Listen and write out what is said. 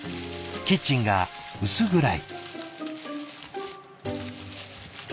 キッチンが薄暗い。